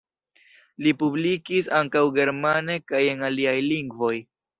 Li publikis ankaŭ germane kaj en aliaj lingvoj.